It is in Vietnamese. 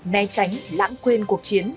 nè tránh lãng quên cuộc chiến